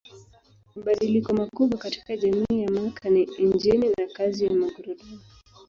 Mabadiliko makubwa katika jamii ya Mark ni injini na kazi ya magurudumu.